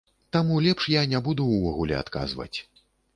Таму лепш я не буду ўвогуле адказваць.